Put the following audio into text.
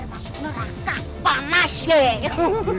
bohong itu biar masuk neraka